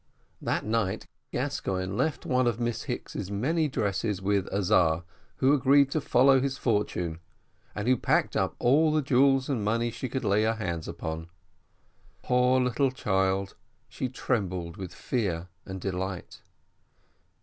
That night Gascoigne left one of Miss Hicks's many dresses with Azar, who agreed to follow his fortunes, and who packed up all the jewels and money she could lay her hands upon. Poor little Child, she trembled with fear and delight.